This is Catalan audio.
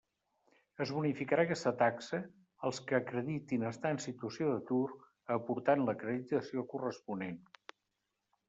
Es bonificarà aquesta taxa, als que acreditin estar en situació d'atur, aportant l'acreditació corresponent.